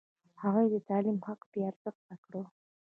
هغوی د تعلیم حق بې ارزښته کړ.